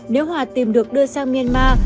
nếu hòa tìm được đưa sang myanmar